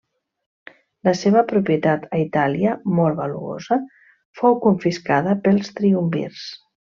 La seva propietat a Itàlia, molt valuosa, fou confiscada pels triumvirs.